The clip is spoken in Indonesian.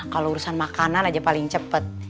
kalo urusan makanan aja paling cepet